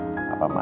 mau dimahaminya ya